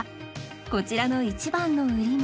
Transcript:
こちらの一番の売りも